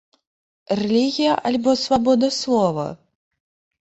Рэлігія альбо свабода слова?